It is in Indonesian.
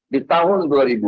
di tahun dua ribu dua